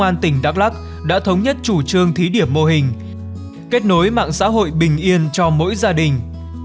công an tỉnh đắk lắc đã thống nhất chủ trương thí điểm mô hình kết nối mạng xã hội bình yên cho mỗi gia đình